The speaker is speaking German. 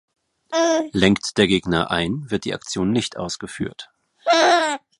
Lenkt der Gegner ein, wird die Aktion nicht ausgeführt.